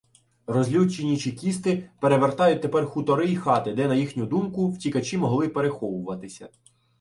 Розлючені чекісти перевертають тепер хутори і хати, де, на їхню думку, втікачі могли переховуватися.